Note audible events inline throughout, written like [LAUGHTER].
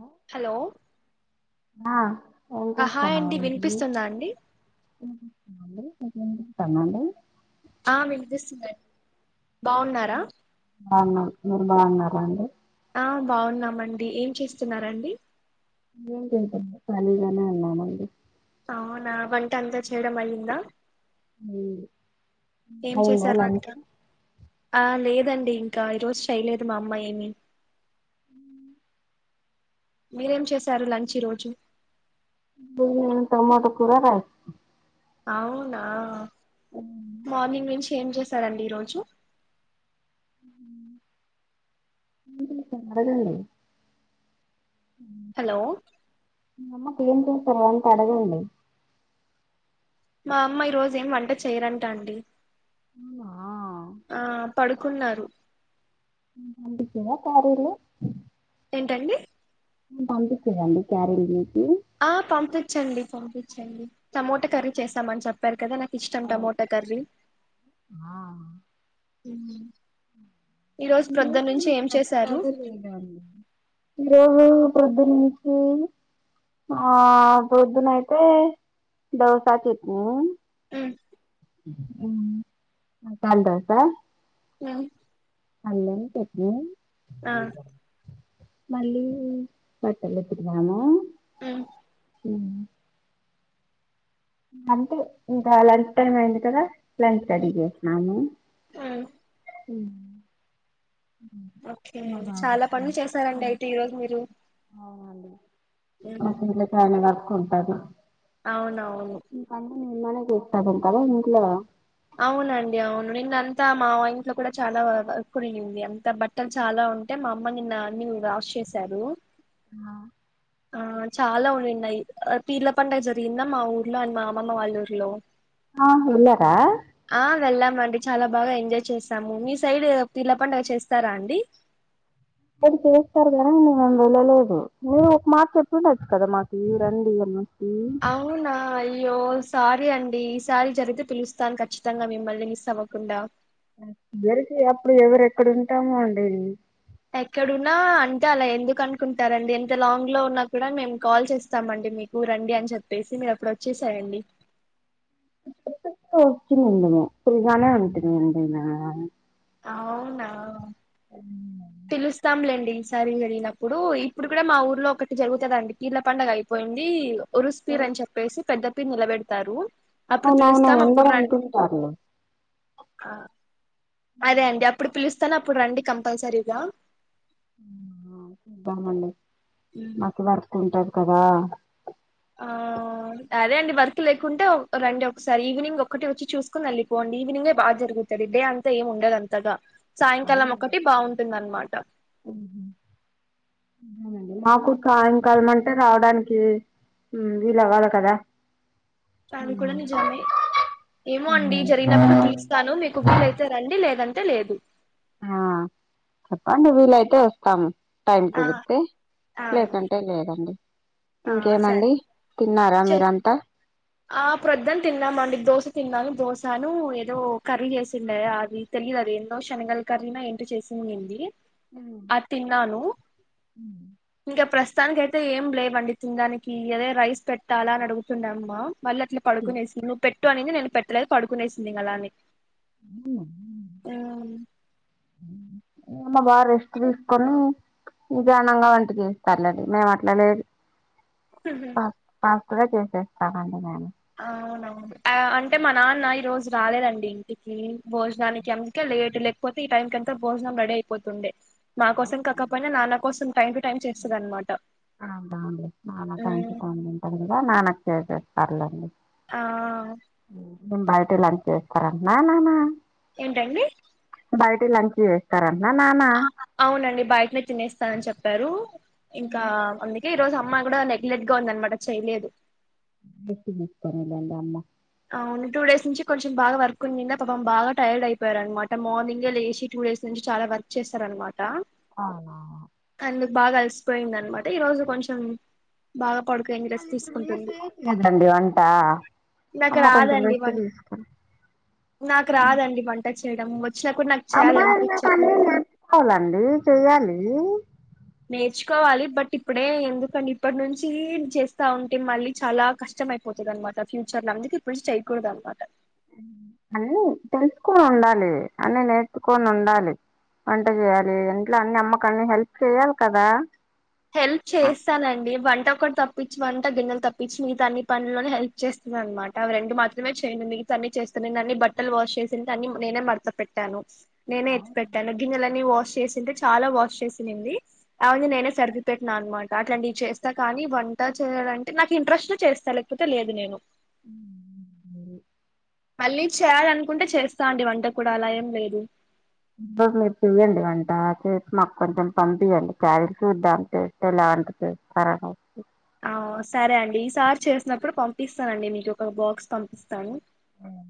ఆ హలో ఆ హాయ్ వినిపిస్తుందా అండి అండీ వినిపిస్తుందా అండి వినిపిస్తుందా అండి, ఆ వినిపిస్తుందండి బాగున్నారా, బావున్నాం మీరు బావున్నారా అండి, ఆ బావున్నాం అండి ఏం చేస్తున్నారండి. ఏం చేయట్లేదు ఖాళీ గానే ఉన్నానండి అవునా వంట అంతా చేయడం అయిందా, ఉమ్. ఏం అయిందా చేశారు వంట లంచ్ ఆ లేదండి ఇంకా ఈ రోజు చేయలేదు మా అమ్మా ఏమి, హ్మ్ మీరేం చేశారు లంచ్ ఈ రోజు మేమా టమాట కూర, రైస్ అవునా, ఏం మార్నింగ్ నుంచి ఏం చేసారండి ఈరోజు [UNINTELLIGIBLE] ఉ హలో మీ అమ్మకేం చేసారంటడగండి, మా అమ్మ ఈ రోజు ఏం వంట చేయరంట అండి, అవునా? ఆ పడుకున్నారు, పంపించారా క్యారేజ్లో ఏంటండి పంపించిర్రాండి క్యారేజ్ వేసి, ఆ పంపిచ్చండి, పంపిచ్చండి టమోటా కర్రీ చేస్తామని చెప్ చెప్పారు కదా నాకు ఇష్టం ఆ టమోటా కర్రీ ఈ రోజు ప్రొద్దున నుంచి ఏం చేశారు [UNINTELLIGIBLE] ముృవు ప్రొద్దునుంచి, ఆ పోద్దునయితే దోస, చెట్నీ ఉమ్, ఉమ్ మసాలా దోసా అ అల్లం చెట్నీ ఆ మళ్ళీ, ఉమ్ ఊమ్ అంటే ఇంకా లంచ్ టైమ్ అయింది కదా లంచ్ రడి చేస్తున్నాను, ఉమ్, ఓకే మా చాలా బాబుకి పనులు చేసారండి అయితే ఈరోజు మీరు, అవునండి మా ఉమ్, [UNINTELLIGIBLE] పట్కూంటాది, అవునవును ఇంకా అన్ని మీల్లోనే చేత్తారు కదా ఇంట్ల అవునండి అవును నిన్న అంతా మా ఇంట్లో కూడా చాలా వర్కుండింది అంత బట్ బట్టలు చాలా ఉంటే మా అమ్మ నిన్న అన్ని వాష్ చేసారు, అవునా ఆ చాలా ఉండిన్నాయి, పీర్ల పండగ జరిగిందా మా ఊర్లో అండ్ మా అమ్మమ్మ వాళ్ళ ఊర్లో, అవును వెళ్ళారా, ఆ వెళ్ళామండి చాలా బాగా ఎంజాయ్ చేసాము, మీ సైడ్ పీర్ల పండగ చేస్తారా అండి, మీరు చేస్తారు కదా అని మేమి వెళ్ళలేదు నువు ఒక మాట చెప్పుండొచ్చు కదా మాకు రండి అని, అవ్ అవునా అయ్యో సారీ అండి, ఈ సారి జరిగితే పిలుస్తాను ఖచ్చితంగా మిమ్మల్ని మిస్ అవ్వకుండా, దొరికి అప్పుడు ఎవరెక్కడుంటామో అండి, ఎక్కడున్నా అంటే అలా ఎందుకు అనుకుంటారండి ఎంత లాంగ్ లో ఉన్నా కూడా మేము కాల్ చేస్తామండి మీక్ ఊ రండి అని చెప్పేసి, మీరప్పుడు వచ్చేసారండి, [UNINTELLIGIBLE] వచ్చి నుండును ఫ్రీగానే ఉంటుదండి నా అవునా పిలుస్తాంలేండి, సారి జరిగినప్పుడు ఇప్పుడు కూడా మా ఊర్లో ఒకటి జరుగుతదండి పీర్ల పండగ అయిపోయింది, ఉరుస్పీర్ అని చెప్పేసి పెద్ద పీర్ నిలబెడతారు, అవునవును అందరూ అంటుంటారు ఆ అదే అండి అప్పుడు పిలుస్తాను అప్పుడు రండి కంపల్సరీగా [UNINTELLIGIBLE] చూద్దామండి ఉమ్. మాకు వర్క్ ఉంటది కదా ఆ అ అదే అండి వర్క్ లేకుంటే రండి ఒకసారి ఈవినింగ్ ఒక్కటి వచ్చి చూసుకుని వెళ్లిపోండి ఈవినింగే బాగా జరుగు తది డే అంతా ఏం ఉండదు అంతగా సాయంకాలం ఒక్కటి బాగుంటుంది అన్మాట మాకు సాయంకాలం అంటే రావడానికి మ్మ్ వీలు అవ్వాలి కదా అది కూడా నిజమే ఏమో అండి జరిగినప్పుడు పిలుస్తాను మీకు వీలైతే రండి లేదంటే లేదు ఆ చెప్పండి వీలైతే వస్తాను టైం ఆ కుదిరితే ఆ అండి లేకంటే లేదండి ఆ సరే ఇంకేమండి తిన్నారా చె మీరంతా ఆ ప్రొద్దున తిన్నాము అండి దోశ తిన్నాను దోశాను ఏదో కర్రీ చేసిండే అది తెలియదు అది ఏందో శనగల కర్రీనో ఏంటో చేసిన్నింది హ్మ్ అద్ తిన్నాను ఉహ్ ఇంకా ప్రస్తుతానికి అయితే ఏం లేవండి తినడానికి అదే రైస్ పెట్టాలా అని అడుగుతుందామ్మా మళ్ళీ అట్లా పడుకునేసింది నువ్వు పెట్టు అనింది నేను పెట్టలేదు పడుకునేసింది ఇంగ అలానే ఉమ్ ఇంగ బాగా రెస్ట్ తీసుకొని నిదానంగా వంట చేస్తారు లేండి మేము అట్లలేదు హహ ఫ ఫాస్ట్ గా చేసేస్తానండి నేను అవును అవును ఆ అంటే మా నాన్న ఈ రోజు రాలేదండి ఇంటికి భోజనానికి అందుకే లేటు లేకపోతే ఈ టైమ్ కి అంత భోజనం రెడీ అయిపోతుండే, మా కోసం కాకపోయినా నాన్న కోసం టైమ్ టు టైమ్ చేస్తది అన్మాట అవునా నాన్న టైమ్ టు టైమ్ తింటారు కదా నాన్నకు చేసేస్తారులేండి ఆ బయటే లంచ్ చేస్తారంటనా నాన్నా ఏంటండి బయటే లంచ్ చేస్తారు అంటనా నాన్నా అవునండి బయటనే తినేస్తానని చెప్పారు ఇంకా అందు కే ఈ రజు అమ్మా కూడా నెగలెట్గా ఉంది అనమాట చేయలేదు రెస్ట్ తీసుకొనిండిలే అమ్మ అవును టూ డేస్ నుంచి కొంచెం బాగా వర్క్ ఉన్నింద పాపం బాగా టైర్డ్ అయిపోయారు అన్మాట మార్నింగే లేచి టూ డేస్ నుంచి చాలా వర్క్ చేస్తారనమాట అవునా అందుకు బాగా అలిసిపోయింది అన్నమాట ఈ రోజు కొంచెం బాగా పడుకోనింది మళ్లీ ఇప్పుడు మీరు చేయొచ్చు కదాండి వంట నాకు అమ్మ కొంచెం రాదండి రెస్ట్ వం తీసుకుని నాకు రాదండి వంట చేయడం వచ్చినా కూడా నాకు అమ్మాయి అన్నాక చేయాలనిపించదు అన్నీ నేర్చుకోవాలండి చెయ్యాలి నేర్చుకోవాలి బట్ ఇప్పుడే ఎందుకని ఇప్పటి నుంచి చేస్తా ఉంటే మళ్ళీ చాలా కష్టమయి వచ్చిది అన్నమాట ఫ్యూచర్ లో అందుకే ఇప్పుడునుంచి చేయకూడదు అన్నమాట అన్ని తెలుసుకొని ఉండాలి అని నేర్చుకొని ఉండాలి వంట చేయాలి ఇంట్లో అన్ని అమ్మకన్ని హెల్ప్ చెయాలి కదా హెల్ప్ చేస్తాండి వంట ఒకటి తప్పించి వంట గిన్నెలు తప్పించి మిగా అన్ని పనుల్లో హెల్ప్ చేస్తున్నాను అన్నమాట అవి రెండు మాత్రమే చేయను మిగతా అన్ని చేస్తున్నా నేను అన్ని బట్టలు వాష్ చేసింది దాన్ని నేనే మడ్తా పెట్ తను నేనే ఎత్తి పెట్టాను గింన్నెలన్నీ వాష్ చేసింటే చాలా వాష్ చేసింది అవన్నీ నేనే సర్ది పెట్టినా అన్మాట అట్లాంటివి చేస్తా కానీ వంట చేయాలంటే నాకు ఇంట్రెస్ట్ఉంటే చేస్తా లేకపోతే లేదు నేను ఊ ఊ ఊ మళ్ళీ చేయాలనుకుంటే చేస్తా అండి వంట కూడా అలా ఏం లేదు బ మీరు చెయండి వంట చేసి మాకు కొంచెం పంపీయండి క్యారెట్ చూద్దాం దాని టెస్ట్ లాఉంటాదో ఆహా ఆ సరే అండి ఈ సార్ చేసినప్పుడు పంపిస్తానుండి మీకు ఒక బాక్స్ పంపిస్తాను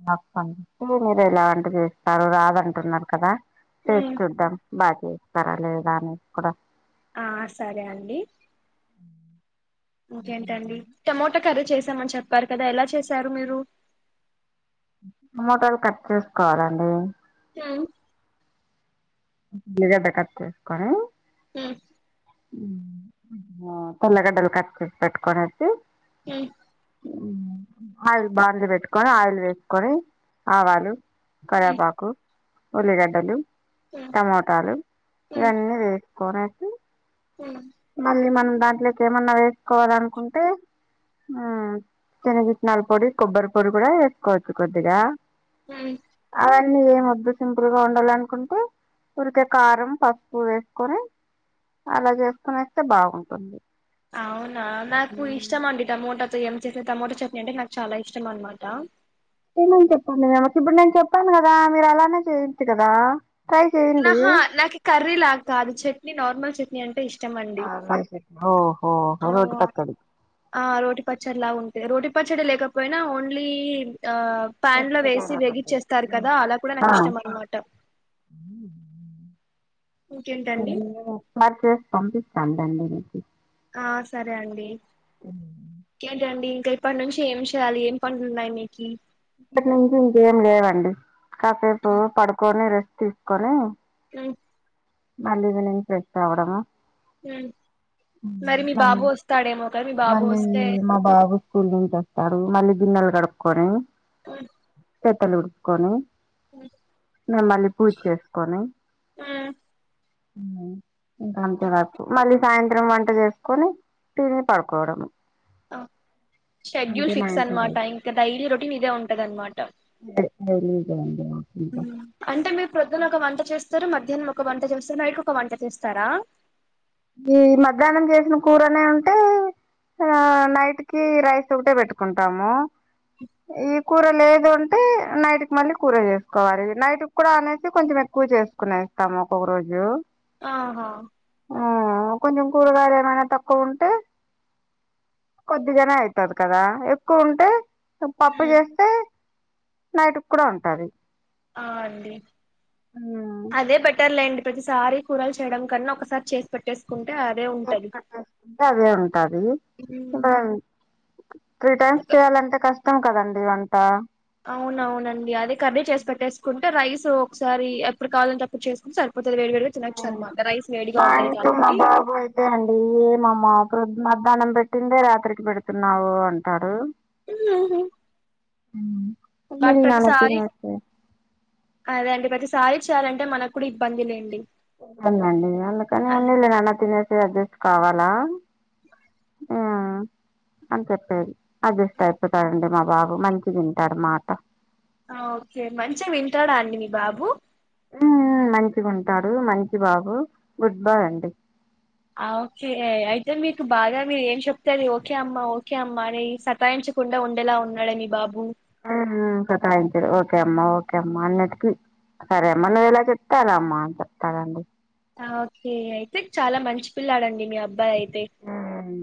మాక్ పంపిస్దువులే మీరు ఎలా వంటివి కూరలు రాదంటున్నారు కదా టేస్ట్ ఉమ్, చూద్దాం బాగా చేస్తారా లేదా అని కూడా ఆ సరే అండి ఇంకేంటండి టమోటా కర్రీ చేసామని చెప్పారు కదా ఎలా చేశారు మీరు టమోటలు కట్ చేసుకోవాలండి ఊ జడగటక్ చేస్తాము హ్మ్ తెల్లగడ్డలు కత్కు పెట్టుకోచ్చచి ఊ ఆయిల్ పెట్టుకొని ఆయిల్ వేసుకొని ఆవాలు కరపాకు ఉల్లిగడ్డలు టమోటాలు ఇవన్నీ వేసుకొనేసి ఉమ్మ్ మళ్ళీ మనం దాంట్లోకి ఏమన్నా వేసుకోవాలి అనుకుంటే ఊ చిన్న చిట్నాాల పొడి కొబ్బరి పొడి కూడా వేసుకోవచ్చు కొద్దిగా హ అవన్నీ ఏం వద్దు సింపుల్ గా ఉండాల అనుకుంటే ఇంత కారం పసుపు వేసుకొని అలా చేసుకుొని వస్తే బాగుంటుంది అవునా నాకు ఇష్టమ అండి టమోటాతో ఏమి చే టమోటా చట్నీ అంటే నాకు చాలా ఇష్టం అనమాట అమని చెప్పంను ఇమకి ఇప్పుడు నేను చెప్పాను కదా మీరు అలానే చేయచ్చు కదా ట్రై చేయండి నాహా నాకు కర్రీ లాగా కాదు చట్నీ నార్మల్ చట్నీ అంటే ఇష్టం అండి ఓహోహో ఓ రోటి పచ్చడి ఆ రోటి పచ్చడిలా ఉంటే రోటి పచ్చడి లేకపోయినా ఓన్లీ ఆ ప్యాన్ లో మత్తికార వేసి వెేగిచ్చేస్తారు పట్టేసి కదా అలా కూడా నాకు ఇష్టం అనమాట ఉ ఇంకేంటండి బాగాళాదుంప మర్ చేసి పంపిస్తాన్ దండి మీకు ఆ సరే అండి ఏంటండి ఇంకా ఇప్పటి నుంచి ఏం చేయాలి ఏం పనులు ఉన్నాయి మీకి ఇక్కటి నుంచి ఇంకేం లేవండి కాసేపు పడుకొని రెస్ట్ తీసుకొని ఉ నల్ ఇది నను ఫ్రెష్ కావడమా మరి మీ మళ్ళీ బాబు వస్తాడేమో క మీ బాబు మళ్ళీ వస్తే మా బాబు స్కూల్ నుంచి వస్తాడు మళ్ళీ గిన్నెలు గడుకొని [UNINTELLIGIBLE] ఉడుపుకొని మ్మ్ మిమ్మల్ళీ పూజ చేసుకొని ఉ ఇంక అంతే వరకు మళ్ళీ సాయంత్రం వంట చేసుకొని తిని పడుకోవడం అంతే షెడ్యూల్ మా ఫిక్స్ ఇంట్లో అనమాట ఇంక డైలీ రొటీన్ ఇదే ఉంటద అనమాట [UNINTELLIGIBLE] అంటే మీరు ప్రొద్దున ఒక వంట చేస్తారు మధ్యానం ఒక వంట చేస్తారు నైట్కి ఒక వంట చేస్తారా ఈ మధ్యానం చేసిన కూరనే ఉంటే ఆ నైట్కి రైస్ ఒకటే పెట్టుకుంటాము ఈ కూర లేదు అంటే నైట్కి మళ్ళీ కూర చేసుకోవాలి నైట్ కూడా అనేసి కొంచం ఎక్కువ చేసుకో నేస్తాము ఒక్కొక్క రోజు ఆహా ఆ కొంచం కూరగాయలు ఏమైనా తక్కువ ఉంటే కొద్దిగానే ఐతది కదా ఎక్కువ ఉంటే పప్పు మ్మ్ చేస్తే నైటుకు కూడ ఉంటది ఆ అండి ఉమ్ అదే బెటర్ లెండి ప్రతిసారి కూరలు చేయడం కన్నా ఒకసారి చేసి పెట్టేసుకుంటే అదే ఉంటది స్తుంటే అదే ఉంటది ఇల మ్మ్ త్రీ ఒక టైమ్స్ చేయాలంటే కష్టం కదండి వంట అవునవునండి అదే కర్రీ చేసి పెట్టేసుకుంటే రైస్ ఒకసారి ఎప్పుడు కావాలంటే అప్పుడు చేసుకుంటె [UNINTELLIGIBLE] [UNINTELLIGIBLE] వేడి వేడిగా తినొచ్చు అనమాట రైస్ వేడిగా ఉంటుది కాబట్టి అంతే అండి ఎం అమ్మ మధ్యాహ్నం పెట్టిందే రాత్రికి పెడుతున్నావు అంటారు ఉ ఉ మాకి ప్రతి సారి అదే అండి ప్రతిసారి చేయాలంటే మనకు కూడ ఇబ్బంది లేండి [UNINTELLIGIBLE] అందుకని ఉన్ని [UNINTELLIGIBLE] తినేసి అడ్జస్ట్ కావాల ఆ అని చెప్పేది అడ్జస్ట్ అయిపోతా [UNINTELLIGIBLE] మా బాబు మంచి తింటాడు మాట ఆ ఓకే మంచిగ వింటాడ అండి మీ బాబు మంచిగా ఉంటాడు మంచి బాబు గుడ్ బాయ్ అండి ఓకే అయితే మీకు బాగ మీరు ఏం చెప్తారు ఓకే అమ్మా ఓకే అమ్మా అని సతాయ చె కుండ ఉండేలా ఉన్నాడే మీ బాబు సాతయించాడు ఓకే అమ్ ఓకే అమ్మా అన్నిటికి సరే అమ్మ నువ్వు ఎలా చెప్తే అల అమ్మా అని చెప్తాండి ఓకే అయితే చాల మంచి పిల్లాడండి మీ అబ్బాయి అయితే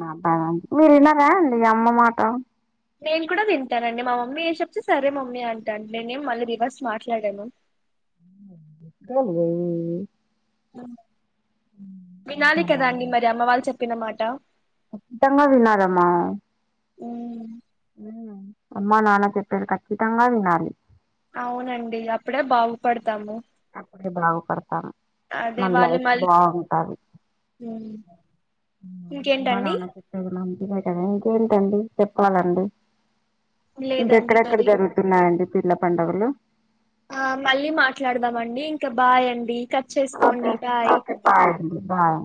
అబ్బా మీరరా అండి అమ్మ మాట నేను కూడ వింటానండి మా మమ్మీ ఏస చెప్తే సరే మమ్మీ అంటా అడి నేనేం మళ్ళీ రివర్స్ మాట్లాడాను అమ్మా వినాలి కదా అండి మరి అమ్మ వాళ్ళు చెప్పినమాట [UNINTELLIGIBLE] అమ్మా నాన్న చెప్పేది ఖచ్చితంగ వినాలి అవునండి అప్పుడే బాగుపడుతాము అప్పుడే బాగుపడతామ్ అదే మన వాళ్ళు లైఫ్ మళ్ళీ బాగుంటది ఉమ్, అమ్మా ఇంకేంటండి నాన్న మంచిదే కదా ఇంకేంటండి చెప్పాలండి లేదండి ఇంకెక్కడెక్కడ మరి జరుగు న్నాయండి పిర్ల పండుగలు ఆ మళ్ళీ మాట్లాడదామండి ఇంకా బాయ్ అండి కట్ చేసుకోండి ఓకే బాయ్ ఓకే బాయ్ అండి బాయ్